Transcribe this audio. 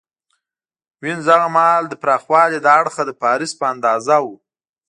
وینز هغه مهال د پراخوالي له اړخه د پاریس په اندازه و